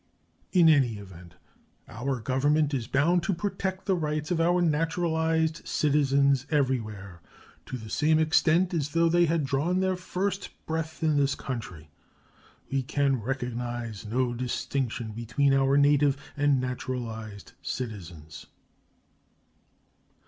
In any event, our Government is bound to protect the rights of our naturalized citizens everywhere to the same extent as though they had drawn their first breath in this country. We can recognize no distinction between our native and naturalized citizens.